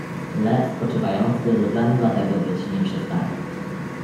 "Lew spoczywający lwem dla tego być nie przestaje."